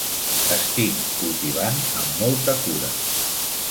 Estic cultivant amb molta cura.